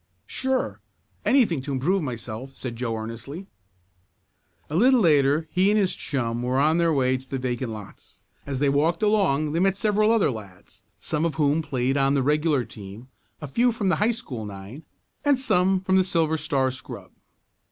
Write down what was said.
"Sure. Anything to improve myself," said Joe earnestly. A little later he and his chum were on their way to the vacant lots. As they walked along they met several other lads, some of whom played on the regular team, a few from the High School nine, and some from the Silver Star scrub.